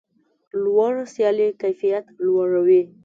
لوړه سیالي کیفیت لوړوي.